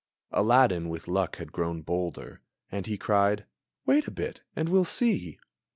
Aladdin with luck had grown bolder, And he cried, "Wait a bit, and we'll see!"